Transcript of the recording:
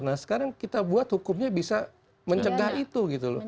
nah sekarang kita buat hukumnya bisa mencegah itu